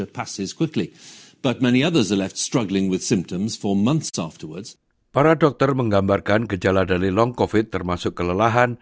para dokter menggambarkan gejala dari long covid termasuk kelelahan